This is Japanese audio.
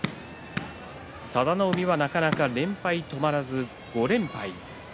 佐田の海はなかなか連敗が止まらず５連敗です。